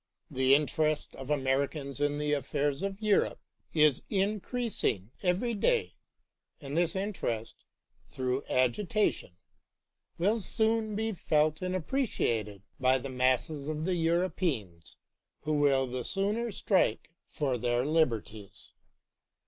The interest of Americans in the affairs of Europe is increasing every day, and this interest, through agitation, will soon be felt and appreci ciated by the masses of the Europeans, who will the sooner strike for their liberties.